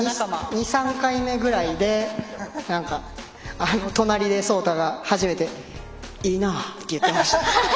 ２、３回目ぐらいで隣で草太が初めて「いいな」って言ってました。